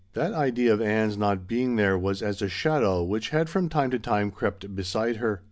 That idea of Ann's not being there was as a shadow which had from time to time crept beside her.